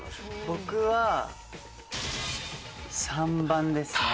僕は３番ですね。